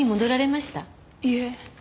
いえ。